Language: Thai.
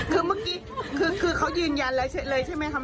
คือเมื่อกี้คือเขายืนยันแล้วเสร็จเลยใช่ไหมคะ